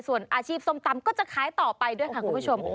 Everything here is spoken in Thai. ส่วนอาชีพส้มตำก็จะขายต่อไปด้วยค่ะคุณผู้ชม